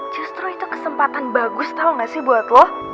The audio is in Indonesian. justru itu kesempatan bagus tau gak sih buat lo